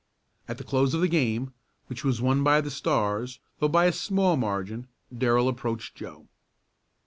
At the close of the game, which was won by the Stars, though by a small margin, Darrell approached Joe.